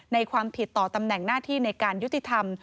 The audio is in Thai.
ในความผิดต่อตำแหน่งหน้าที่ในการยุติธรรม